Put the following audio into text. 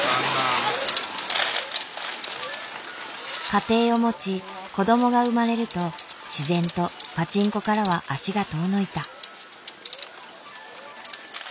家庭を持ち子供が生まれると自然とパチンコからは足が遠のいた。